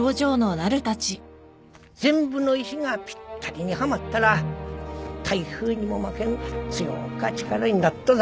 全部の石がぴったりにはまったら台風にも負けん強か力になっとぞ。